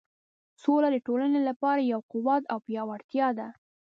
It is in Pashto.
سوله د ټولنې لپاره یو قوت او پیاوړتیا ده.